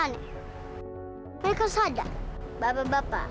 mereka sadar bapak bapak